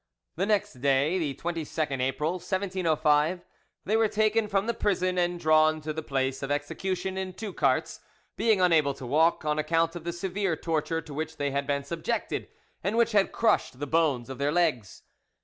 The next day, the 22nd April, 1705, they were taken from the prison and drawn to the place of execution in two carts, being unable to walk, on account of the severe torture to which they had been subjected, and which had crushed the bones of their legs.